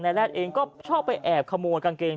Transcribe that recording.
ชาวบ้านญาติโปรดแค้นไปดูภาพบรรยากาศขณะ